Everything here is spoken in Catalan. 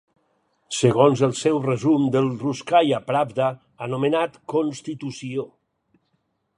Segons els seu resum del "Russkaya Pravda" anomenat "Constitució.